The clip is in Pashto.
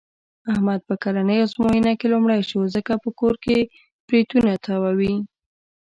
احمد په کلنۍ ازموینه کې لومړی شو. ځکه په کور کې برېتونه تاووي.